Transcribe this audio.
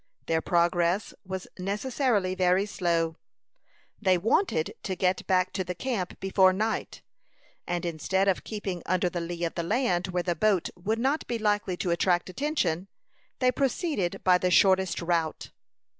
Their progress was necessarily very slow. They wanted to get back to the camp before night, and instead of keeping under the lee of the land, where the boat would not be likely to attract attention, they proceeded by the shortest route.